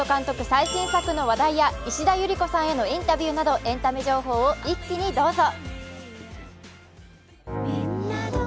最新作の話題や石田ゆり子さんへのインタビューなどエンタメ情報を一気にどうぞ。